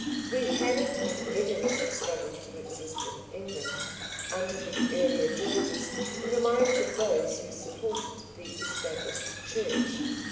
We had it in vigorous struggle to exist in England under the earlier Georges in the minds of those who supported the Established Church.